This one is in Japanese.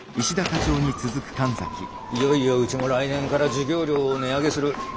いよいようちも来年から授業料を値上げする。